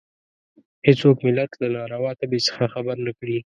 هېڅوک ملت له ناروا تبې څخه خبر نه کړي.